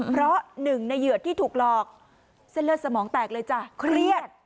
เพราะหนึ่งในเหยื่อที่ถูกหลอกเส้นเลือดสมองแตกเลยจ้ะเครียด